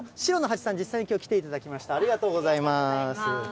さん、実際にきょう来ていただきました。